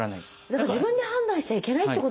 だから自分で判断しちゃいけないってことですね